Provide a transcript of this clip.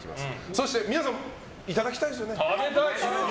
そして皆さんいただきたいですよね？